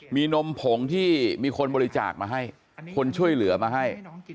มีนมผงที่มีคนบริจาคมาให้คนช่วยเหลือมาให้